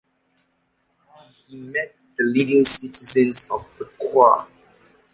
He met the leading citizens of Piqua.